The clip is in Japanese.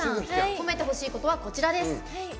褒めてほしいことは、こちらです。